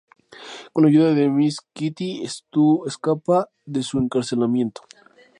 Con la ayuda de Miss Kitty, Stu escapa de su encarcelamiento.